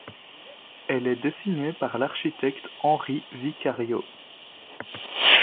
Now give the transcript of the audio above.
Elle est dessinée par l'architecte Henri Vicariot.